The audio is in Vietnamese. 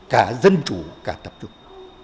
cả dân chủ cả tập trung